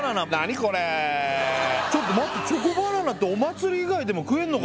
これちょっと待ってチョコバナナってお祭り以外でも食えんのか